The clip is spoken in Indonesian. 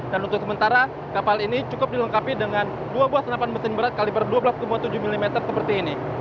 dan untuk sementara kapal ini cukup dilengkapi dengan dua buah senapan mesin berat kaliber dua belas tujuh mm seperti ini